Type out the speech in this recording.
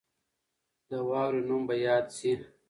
د واورې نوم به یاد سي.